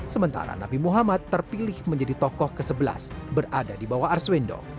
sementara nabi muhammad terpilih menjadi tokoh ke sebelas berada di bawah arswendo